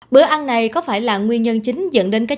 bữa ăn này có phải là nguyên nhân chính dẫn đến các chất lượng